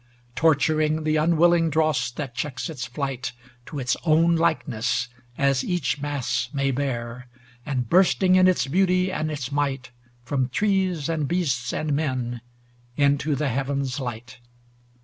Torturing the unwilling dross that checks its flight To its own likeness, as each mass may bear. And bursting in its beauty and its might From trees and beasts and men into the Heaven's light.